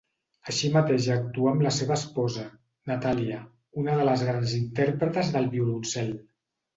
Així mateix actuà amb la seva esposa, Natàlia, una de les grans interpretes del violoncel.